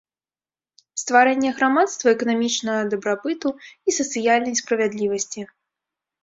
Стварэнне грамадства эканамічнага дабрабыту і сацыяльнай справядлівасці.